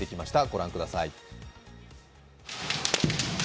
御覧ください。